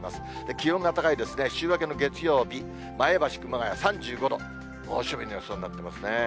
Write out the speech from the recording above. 気温が高いですね、週明けの月曜日、前橋、熊谷、３５度、猛暑日の予想になってますね。